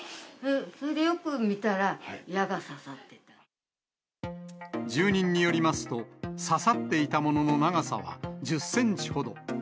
それでよく見たら、矢が刺さって住人によりますと、刺さっていたものの長さは１０センチほど。